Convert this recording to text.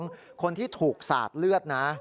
คนที่หมาบลงชนิดห่วงที่ถูกสาดเลือด